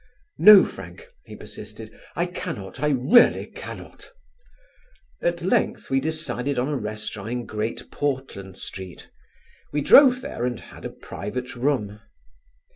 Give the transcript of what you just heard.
"No, Frank," he persisted, "I cannot, I really cannot." At length we decided on a restaurant in Great Portland Street. We drove there and had a private room.